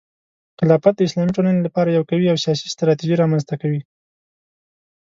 خلافت د اسلامي ټولنې لپاره یو قوي او سیاسي ستراتیژي رامنځته کوي.